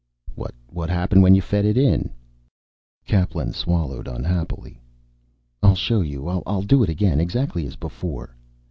"What happened when you fed it?" Kaplan swallowed unhappily. "I'll show you. I'll do it again. Exactly as before."